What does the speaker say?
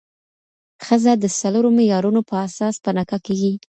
ښځه د څلورو معيارونو په اساس په نکاح کيږي